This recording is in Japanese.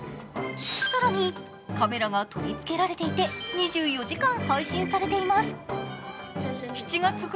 更にカメラが取り付けられていて２４時間配信されています。